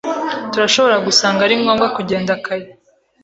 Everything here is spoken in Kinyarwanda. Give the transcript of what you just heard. Turashobora gusanga ari ngombwa kugenda kare.